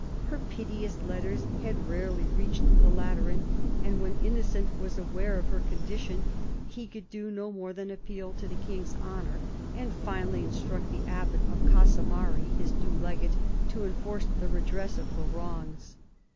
Her piteous letters but rarely reached the Lateran, and when Innocent was aware of her condition he could do no more than appeal to the king's honour, and finally vi PHILIP AND THE PAPACY 175 instruct the abbat of Casamari, his new legate, to enforce the redress of her wrongs.